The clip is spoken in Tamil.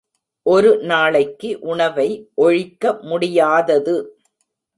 ஒரு நாளைக்கு உணவை ஒழிக்க முடியாதது.